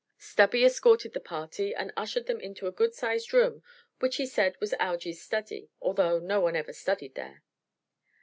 Stubby escorted the party and ushered them into a good sized room which he said was "Algy's study," although no one ever studied there.